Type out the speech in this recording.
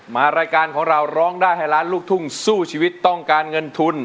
มารายการของเราร้องได้ให้ล้านลูกทุ่งสู้ชีวิตต้องการเงินทุน